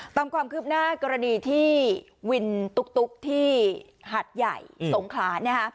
ตามความคืบหน้ากรณีที่วินตุ๊กที่หัดใหญ่สงขลา